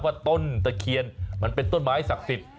ต้นตะเคียนมันเป็นต้นไม้ศักดิ์สิทธิ